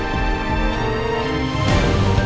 baik kita akan berjalan